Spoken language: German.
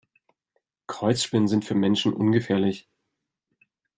Kreuzspinnen sind für Menschen ungefährlich.